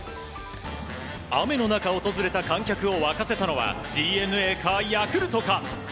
雨の中、訪れた観客を沸かせたのはＤｅＮＡかヤクルトか。